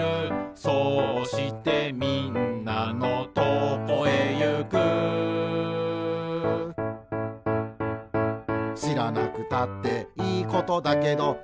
「そうしてみんなのとこへゆく」「しらなくたっていいことだけど」